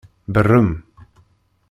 Beṛṛem.